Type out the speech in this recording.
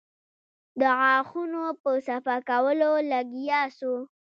د غاښونو په صفا کولو لگيا سو.